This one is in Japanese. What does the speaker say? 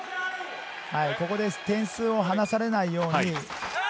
ここで点数を離されないように。